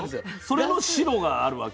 それの白があるわけ？